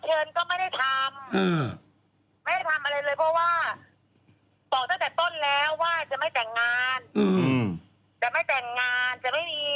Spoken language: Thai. จะไม่มีงานแต่งชัยเลย